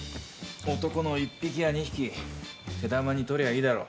男の１匹や２匹手玉に取りゃいいだろ。